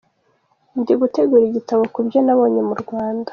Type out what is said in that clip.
Ndi gutegura igitabo kubyo nabonye mu Rwanda.”